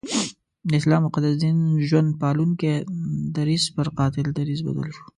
د اسلام مقدس دین ژوند پالونکی درځ پر قاتل دریځ بدل شو.